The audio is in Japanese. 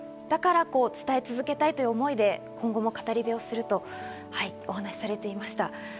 だから伝え続けたいという思いで今後も語り部をするとお話されていました。